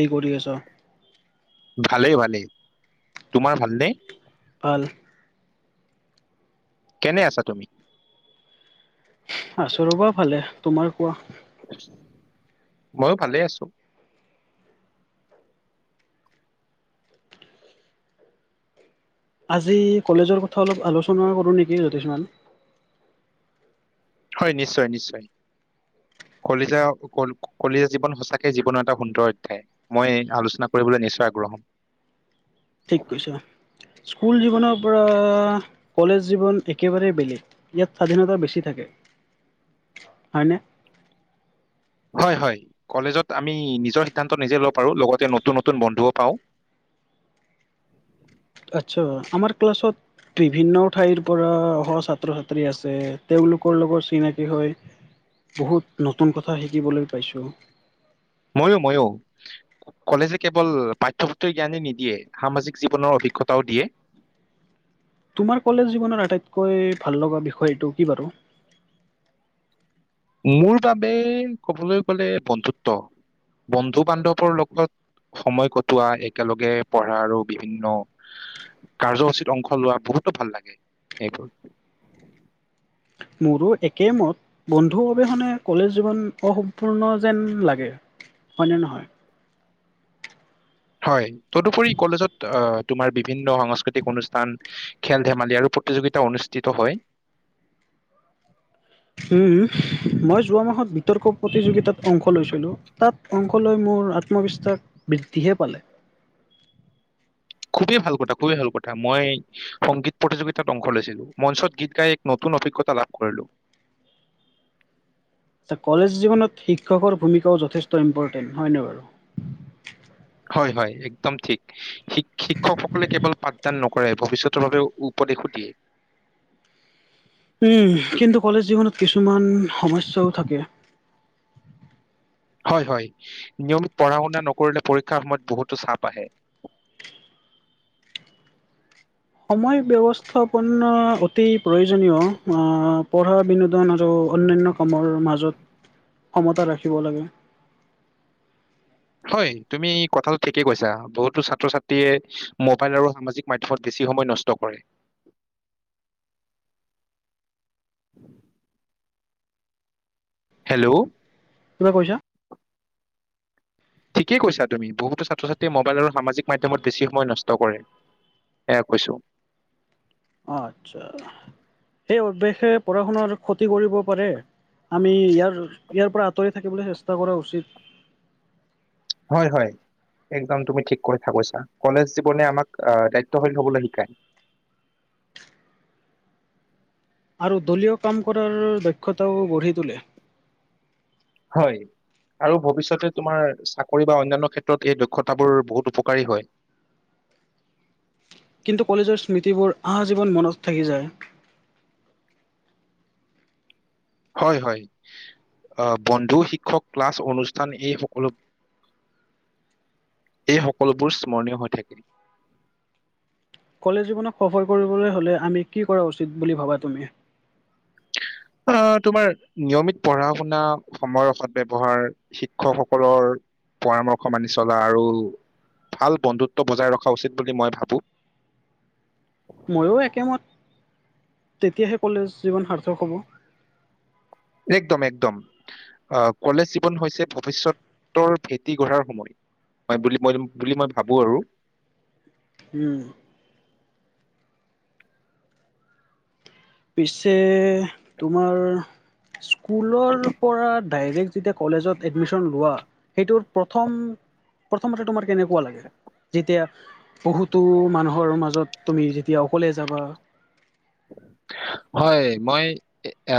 কি কৰি আছ ভালেই ভালেই তোমাৰ ভালনে অল কেনে আছা তুমি আছো ৰ'বা ভালে তোমাৰ কোৱা ময়ো ভালে আছো আজি কলেজৰ কথা অলপ আলোচনা কৰোঁ নেকি জোতিস্মান হয় নিশ্চয় নিশ্চয় কলিজা কলিজা জীৱন সঁচাকে জীৱনৰ এটা সুন্দৰ অধ্যায় মই আলোচনা কৰিবলৈ নিশ্চয় আগ্ৰহম ঠিক কৈছ স্কুল জীৱনৰ পৰা কলেজ জীৱন একেবাৰে বেলেগ ইয়াত স্বাধীনতা বেছি থাকে হয়নে হয় হয় কলেজত আমি নিজৰ সিদ্ধান্ত নিজে লব পাৰোঁ লগতে নতুন নতুন বন্ধুও পাওঁ আচ্ছা আমাৰ ক্লাছত বিভিন্ন ঠাইৰ পৰা অহা ছাত্ৰ ছাত্ৰী আছে তেওঁলোকৰ লগত চিনাকি হয় বহুত নতুন কথা শিকিবলৈ পাইছোঁ ময়ো ময়ো কলেজে কেৱল পাঠ্যপুথৰ জ্ঞানে নিদিয়ে সামাজিক জীৱনৰ অভিজ্ঞতাও দিয়ে তোমাৰ কলেজ জীৱনৰ আটাইতকৈ ভাল লগা বিষয়টো কি বাৰু মোৰ বাবে ক'বলৈ গ'লে বন্ধুত্ব বন্ধু বান্ধৱৰ লগত সময় কটোৱা একেলগে পঢ়া আৰু বিভিন্ন কাৰ্যসূচীত অংশ লোৱা বহুতো ভাল লাগে এইবোৰ মোৰো একেমত বন্ধুৰ অবিহনে কলেজ জীৱন অ্সমপূৰ্ণ যেন লাগে হয় নে নহয় হয় তদুপৰি কলেজত অ তোমাৰ বিভিন্ন সাংস্কৃতিক অনুষ্ঠান, খেল-ধেমালি আৰু প্ৰতিযোগিতা অনুষ্ঠিত হয়। উম' মই যোৱা মাহত বিতৰ্ক প্ৰতিযোগিতাত অংশ লৈছিলোঁ। তাত অংশ লৈ মোৰ আত্মবিশ্বাস বৃদ্ধিহে পালে। খুবেই ভাল কথা, খুবেই ভাল কথা, মই সংগীত প্ৰতিযোগিতাত অংশ লৈছিলো, মঞ্চত গীত গাই এক নতুন অভিজ্ঞতা লাভ কৰিলো। কলেজ জীৱনত শিক্ষকৰ ভূমিকাও যথেষ্ট ইম্পৰ্টেণ্ট হয় নে বাৰু? হয়, হয় একদম ঠিক। শিক শিক্ষকসকলে কেৱল পাঠদান নকৰে, ভৱিষ্যতৰ বাবে উপদেশো দিয়ে। উম' কিন্তু কলেজ জীৱনত কিছুমান সমস্যাও থাকে। হয়, হয় নিয়মিত পঢ়া শুনা নকৰিলে পৰীক্ষাৰ সময়ত বহুতো চাপ আহে। সময় ব্যৱস্থাপনা অতি প্ৰয়োজনীয়, আ পঢ়া বিনোদন আৰু অন্যান্য কামৰ মাজত সমতা ৰাখিব লাগে। হয়' তুমি কথাটো ঠিকেই কৈছা, বহুতো ছাত্ৰ ছাত্ৰীয়ে মোবাইল আৰু সামাজিক মাধ্যমত বেছি সময় নষ্ট কৰে। [inaudible] হেল্ল'? কিবা কৈছা? ঠিকেই কৈছা তুমি, বহুতো ছাত্ৰ ছাত্ৰীয়ে মোবাইল আৰু সামাজিক মাধ্যমত বেছি সময় নষ্ট কৰে। এয়া কৈছো। আচ্ছা, সেই অভ্যাসে পঢ়া শুনাৰ ক্ষতি কৰিব পাৰে। আমি ইয়াৰ, ইয়াৰ পৰা আঁতৰি থাকিবলে চেষ্টা কৰা উচিত। হয় হয়। একদম তুমি ঠিক কথা কৈছা, কলেজ জীৱনে আমাক দায়িত্বশীল হবলে শিকায়। আৰু দলীয় কাম কৰাৰ দক্ষতাও গঢ়ি তোলে। হয়। আৰু ভৱিষ্যতে তোমাৰ চাকৰি বা অন্যান্য ক্ষেত্ৰত এই দক্ষতাবোৰ বহুত উপকাৰী হয়। কিন্তু কলেজৰ স্মৃতিবোৰ আজীৱন মনত থাকি যায়। হয়, হয়। আ বন্ধু, শিক্ষক, ক্লাছ, অনুষ্ঠান এই সকলো এই সকলোবোৰ স্মৰণীয় হৈ থাকে। কলেজ জীৱনক সফল কৰিবলৈ হলে, আমি কি কৰা উচিত বুলি ভাবা তুমি? আ তোমাৰ নিয়মিত পঢ়া শুনা, সময়ৰ সদ ব্যৱহাৰ। শিক্ষকসকলৰ পৰামৰ্শ মানি চলা, আৰু ভাল বন্ধুত্ব বজাই ৰখা উচিত বুলি মই ভাবো। ময়ো একেমত, তেতিয়াহে কলেজ জীৱন সাৰ্থক হ'ব। একদম, একদম, আ কলেজ জীৱন হৈছে ভৱিষ্যতৰ ভেটি গঢ়াৰ সময়। হয় বুলি, মই বুলি, মই ভাবোঁ আৰু। উম। পিছে তোমাৰ স্কুলৰ পৰা ডাইৰেক্ট যেতিয়া কলেজত এডমিশন লোৱা, সেইটোৰ প্ৰথম প্ৰথমতে তোমাৰ কেনেকুৱা লাগে? যেতিয়া বহুতো মানুহৰ মাজত তুমি যেতিয়া অকলে যাবা। হয় মই, আ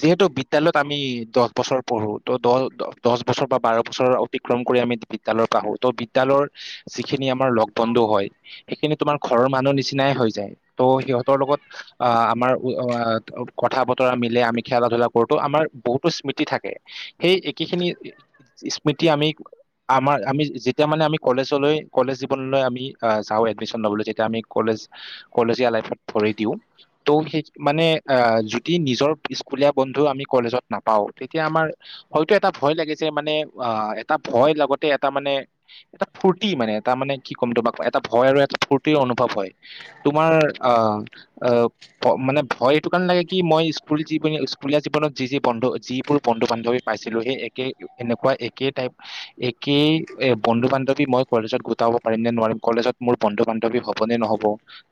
যিহেতু বিদ্যালয় ত আমি দহ বছৰ পঢ়ো, ত দহ দহ বছৰ, বা বাৰ বছৰ অতিক্ৰম কৰি আমি বিদ্যালয়ত আহোঁ, বিদ্যালয়ৰ যিখিনি আমাৰ লগ বন্ধু হয়। সেইখিনি তোমাৰ ঘৰৰ মানুহ নিচিনাই হৈ যায়। ত, সিহঁতৰ লগত অ', আমাৰ কথা বতৰা মিলে আমি খেলা ধূলা কৰোঁতো আমাৰ বহুতো স্মৃতি থাকে। সেই একেখিনি স্মৃতি আমি আমাৰ আমি যেতিয়া মানে আমি কলেজলৈ কলেজ জীৱনলৈ আমি যাওঁ। এডমিশ্যন ল'বলৈ যেতিয়া আমি কলেজ কলেজীয়া আলাইফত ভৰি দিওঁ। ত', সেই মানে আহ যদি নিজৰ স্কুলীয়া বন্ধু আমি কলেজত নাপাওঁ। তেতিয়া আমাৰ হয়তো এটা ভয় লাগি যায়, মানে অ, এটা ভয় লগতে এটা মানে এটা ফূৰ্তি মানে এটা মানে কি ক'ম তোমাক এটা ভয় আৰু এটা ফূৰ্তিৰ অনুভৱ হয়। তোমাৰ অ, আহ, মানে ভয় এইটো কাৰণে লাগে কি মই স্কুল জীৱন স্কুলীয়া জীৱনত যি যি বন্ধু যিবোৰ বন্ধু বান্ধৱী পাইছিলোঁ। সেই একে এনেকুৱা একে টাইপ একেই এ, বন্ধু বান্ধৱী মই কলেজত গোটাব পাৰিম নে নোৱাৰিম। কলেজত মোৰ বন্ধু বান্ধৱী হবনে নহ'ব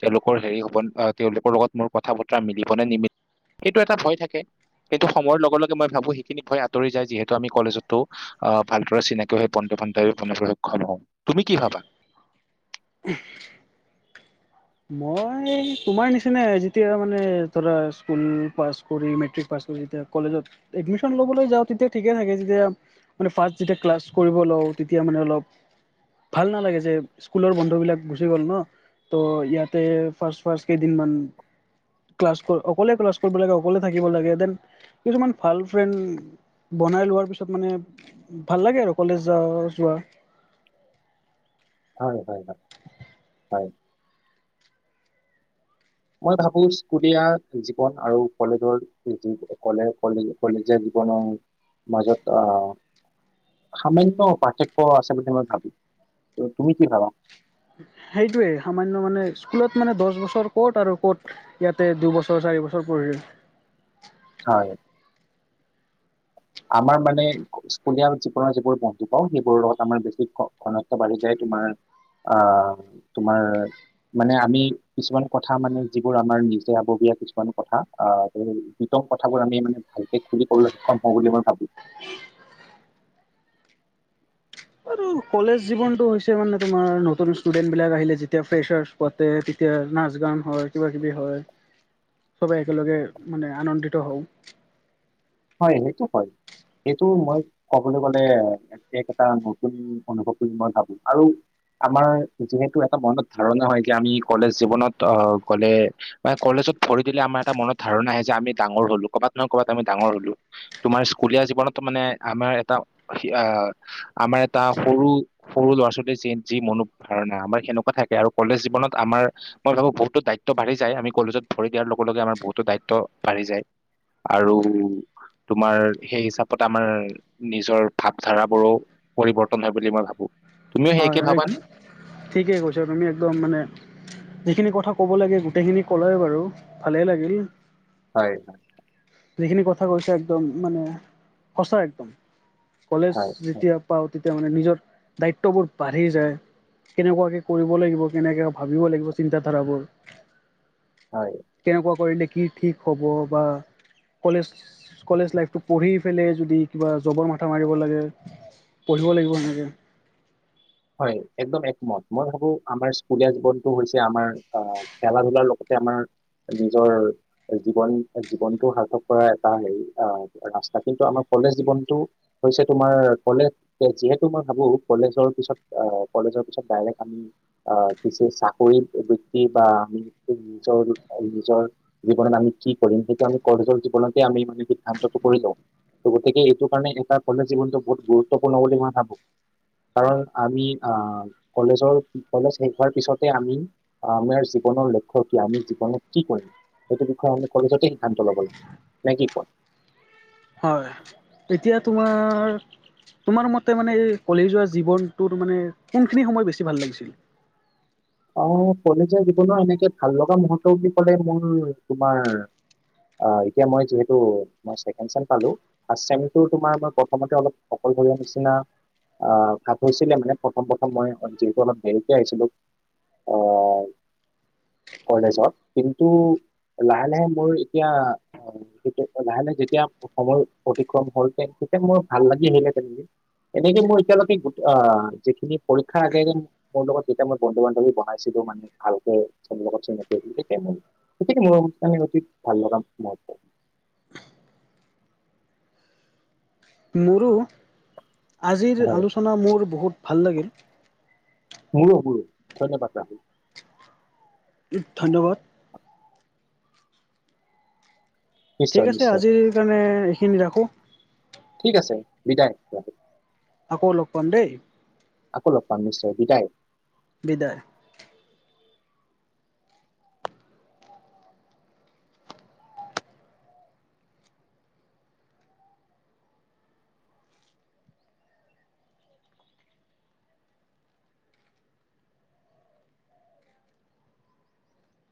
তেওঁলোকৰ হেৰি হবনে তেওঁলোকৰ লগত মোৰ কথা বতৰা মিলিব নে নিমিলিব সেইটো এটা ভয় থাকে। সেইটো সময়ৰ লগে। লগে। মই ভাবোঁ সেইখিনি ভয় আঁতৰি যায়। যিহেতু আমি কলেজতো আহ ভালদৰে চিনাকি হৈ বন্ধু বান্ধৱী কৰিবলৈ সক্ষম হওঁ, তুমি কি ভাবা? মই তোমাৰ নিচিনাই আৰু যেতিয়া মানে ধৰা স্কুল প কৰি মেট্ৰিক পাছ কৰি যেতিয়া কলেজত এডমিশন লবলৈ যাওঁ। তেতিয়া ঠিকে থাকে। যেতিয়া মানে ফাৰ্ষ্ট যেতিয়া ক্লাছ কৰিব লওঁ। তেতিয়া মানে অলপ ভাল নালাগে। যে স্কুলৰ বন্ধু বিলাক গুচি গ'ল ন ত' ইয়াতে ফাৰ্ষ্ট ফাৰ্ষ্ট কেইদিন মান ক্লাছ অকলে ক্লাছ কৰিব লাগে। অকলে থাকিব লাগে। দেন কিছুমান ভাল ফ্ৰেড বনাই লোৱাৰ পিছত মানে ভাল লাগে, আৰু কলেজ যা যোৱা হয়। হয়। হয়। হয়। মই ভাবো স্কুলীয়া জীৱন আৰু কলেজৰ কলে কলেজ কলেজীয়া জীৱনৰ মাজত আহ সামান্য পাৰ্থক্য আছে, বুলি মই ভাবোঁ। তুমি কি ভাবা? সেইটোয়ে সামান্য মানে স্কুলত মানে দহ বছৰ ক'ত আৰু ক'ত ইয়াতে দুবছৰ চাৰি বছৰ পঢ়িলোঁ। হয়। আমাৰ মানে স্কুলীয়া জীৱনৰ যিবোৰ বন্ধু পাওঁ সেইবোৰৰ লগত আমাৰ বেছি ঘ ঘনত্ব বাঢ়ি যায়। তোমাৰ অহ তোমাৰ মানে আমি কিছুমান কথা মানে যিবোৰ আমাৰ নিজে আবগীয়া কিছুমান কথা আহ নিতম কথাবোৰ আমি মানে ভালকে খুলি ক'বলৈ সক্ষম হওঁ বুলি মই ভাবোঁ। আৰু কলেজ জীৱনটো হৈছে মানে তোমাৰ নতুন ষ্টুডেণ্টবিলাক আহিলে। যেতিয়া ফেছাৰছ পাতে তেতিয়া নাচ গান হয়। কিবাকিবি হয়। চবেই একেলগে মানে আনন্দিত হওঁ। হয়। সেইটো হয়। সেইটো মই কবলৈ গলে গোটেই কেইটা নতুন অনুভৱ বুলি মই ভাবোঁ আৰু আমাৰ যিহেতু এটা মনত ধাৰণা হয়। কি আমি কলেজ জীৱনত আহ গলে বা কলেজত ভৰি দিলে। আমাৰ এটা মনত ধাৰনা আহে আমি ডাঙৰ হ'লো'কবাত নহয় ক'বাত আমি ডাঙৰ হলো তোমাৰ স্কুলীয়া জীৱনত মানে আমাৰ এটা আহ আমাৰ এটা সৰু সৰু ল'ৰা ছোৱালীৰ য যি মনো ধাৰণা আমাৰ সেনেকুৱা থাকে। আৰু কলেজ জীৱনত আমাৰ মই ভাবোঁ বহুতো দায়িত্ব বাঢ়ি যায়। আমি কলেজত ভৰি দিয়াৰ লগে। লগে। আমাৰ বহুতো দায়িত্ব বাঢ়ি যায়। আৰু। তোমাৰ সেই হিচাপত আমাৰ নিজৰ ভাৱধাৰাবোৰো পৰিৱৰ্তন হয় বুলি মই ভাবো। তুমিও হয় সেইকে হয় ভাবানে? ঠিকে কৈছা তুমি একদম মানে সেইখিনি কথা কব লাগে গোটেইখিনি ক'লাই বাৰু ভালেই লাগিল। হয়, হয়। যিখিনি কথা কৈছে একদম মানে সঁচা একদম। কলেজ হয় হয় যেতিয়া পাওঁ তেতিয়া মানে নিজৰ দায়িত্ববোৰ বাঢ়ি যায় কেনেকুৱাকৈ কৰিব লাগিব, কেনেকৈ ভাবিব লাগিব চিন্তাধাৰাবোৰ। [inaudible] হয় কেনেকুৱা কৰিলে কি ঠিক হ'ব বা কলেজ- কলেজ লাইফটো পঢ়ি পেলাই, যদি কিবা জবৰ মাথা মাৰিব লাগে। পঢ়িব লাগিব এনেকে। হয়। একদম একমত মই ভাবো আমাৰ স্কুলীয়া জীৱনটো হৈছে আমাৰ অঁ, খেলা ধুলাৰ লগতে আমাৰ- নিজৰ জীৱন জীৱনটো সাৰ্থক কৰা এটা হেৰি আহ ৰাস্তা কিন্তু আমাৰ কলেজ জীৱনটো হৈছে তোমাৰ কলেজ যিহেতু মই ভাবো কলেজৰ পিছত- অঁ কলেজৰ পিছত ডাইৰেক্ট আমি আহ কিছু চাকৰি বৃত্তি বা আমি নিজৰ নিজৰ জীৱনত আমি কি কৰিম, সেইটো আমি কলেজৰ জীৱনতে আমি মানে সিদ্ধান্তটো কৰি লওঁ। ত গতিকে এইটো কাৰণে এটা কলেজ জীৱনটো বহুত গুৰুত্বপূৰ্ণ বুলি মই ভাবো। কাৰণ- আমি আহ কলেজৰ, কলেজ শেষ হোৱাৰ পিছতে আমি- আমাৰ জীৱনৰ লক্ষ্য কি, আমি জীৱনত কি কৰিম, সেইটো বিষয়ে আমি কলেজতে সিদ্ধান্ত ল'ব লাগে। নে কি কোৱা? হয়। তেতিয়া তোমাৰ, তোমাৰ মতে মানে, কলেজিয়া জীৱনটোৰ মানে, কোনখিনি সময়, বেছি ভাল লাগিছিল? অঁ, কলেজীয়া জীৱনৰ এনেকে ভাল লগা মুহৰ্ত বুলি ক'লে, মোৰ তোমাৰ- অঁ, এতিয়া মই যিহেতু মই ছেকেণ্ড চেম পালোঁ। অ, শ্ৰেণীটো তোমাৰ মই প্ৰথমতে অলপ অকলশৰীয়া নিচিনা। আহ কাপোৰ চিলাই মানে প্ৰথম প্ৰথম মই যিহেতু অলপ দেৰিকে আহিছিলো অ কলেজত। কিন্তু লাহে লাহে মোৰ এতিয়া- সেইটো লাহে লাহে যেতিয়া সময়ৰ অতিক্ৰম হল তে তেতিয়া মোৰ ভাল লাগি আহিলে তে এনেকে মোৰ এতিয়ালৈকে, গ যিখিনি পৰীক্ষাৰ আগে, আগে মোৰ লগত দুটাম বন্ধু বান্ধৱী বনাইছিলো মানে ভালকে [unintelligible] গতিকে মোৰ মানে অতি ভাললগা মুহূৰ্ত মোৰো, আজিৰ হয় আলোচনা মোৰ বহুত ভাল লাগিল। হুো হুো ধন্যবাদ ৰা [unintelligible] ধন্যবাদ। নিশ্চয় ঠিক আছে নিশ্চয় আজিৰ কাৰণে এইখিনি ৰাখোঁ। ঠিক আছে বিদায়, ৰাখ। আকৌ লগ পাম দেই। আকৌ লগ পাম, নিশ্চয় বিদায়। বিদায়